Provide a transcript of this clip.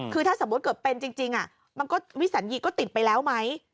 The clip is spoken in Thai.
คือถ้าสมมุติเกิดเป็นจริงมันก็วิสัญญีก็ติดไปแล้วไหม